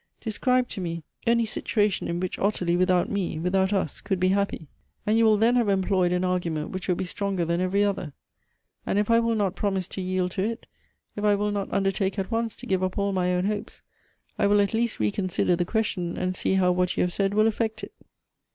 Describe to me any situation in Elbctivb Affinities. 273 which Ottilie, without me, without us, could be happy, and you will theri have employed an argument which will be stronger than every other ; and if I will not prom ise to yield to it, if I will not undertake at once to give up all my own hopes, I will at least reconsider the ques tion, and see how what you have said will affect it."